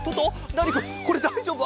ナーニくんこれだいじょうぶ？